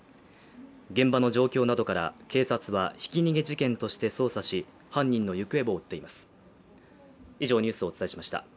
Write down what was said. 現場の状況などから警察はひき逃げ事件として捜査し犯人の行方を追っています。